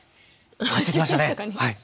あしてきましたねはい。